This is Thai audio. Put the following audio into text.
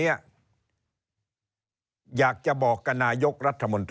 เริ่มตั้งแต่หาเสียงสมัครลง